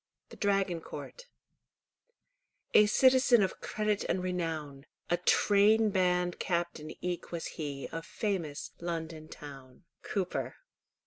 THE DRAGON COURT "A citizen Of credit and renown; A trainband captain eke was he Of famous London town." Cowper.